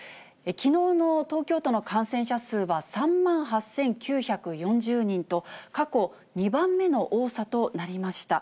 きのうの東京都の感染者数は３万８９４０人と、過去２番目の多さとなりました。